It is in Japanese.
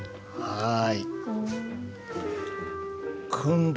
はい。